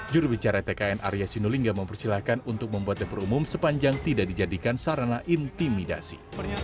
jurubicara tkn arya sinulinga mempersilahkan untuk membuat dapur umum sepanjang tidak dijadikan sarana intimidasi